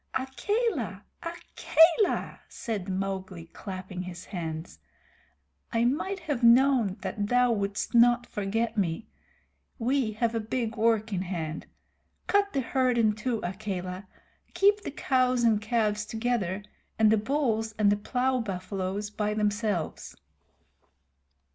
"Akela! Akela!" said Mowgli, clapping his hands. "I might have known that thou wouldst not forget me. We have a big work in hand. Cut the herd in two, Akela. Keep the cows and calves together, and the bulls and the plow buffaloes by themselves."